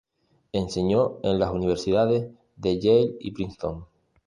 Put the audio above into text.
Enseñó en las universidades de Yale y Princeton.